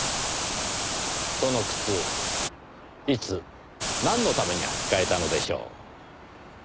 その靴いつなんのために履き替えたのでしょう？